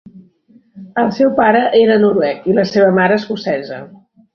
El seu pare era noruec i la seva mare escocesa.